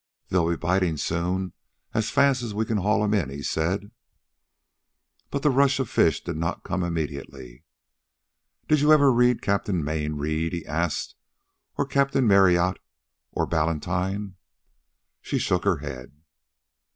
"They'll be biting soon as fast as we can haul 'em in," he said. But the rush of fish did not come immediately. "Did you ever read Captain Mayne Reid?" he asked. "Or Captain Marryatt? Or Ballantyne?" She shook her head.